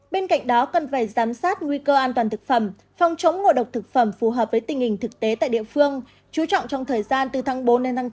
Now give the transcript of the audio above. bên cạnh đó cần phải giám sát nguy cơ an toàn thực phẩm phòng chống ngộ độc thực phẩm phù hợp với tình hình thực tế tại địa phương chú trọng trong thời gian từ tháng bốn đến tháng chín